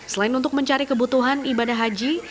selain untuk mencari kebutuhan ibadah haji